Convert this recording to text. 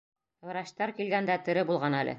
Врачтар килгәндә тере булған әле.